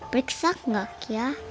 periksa enggak ya